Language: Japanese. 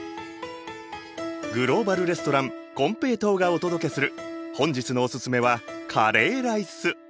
グローバル・レストランこんぺいとうがお届けする本日のオススメはカレーライス。